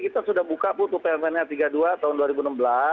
kita sudah buka putus permennya tiga puluh dua tahun dua ribu enam belas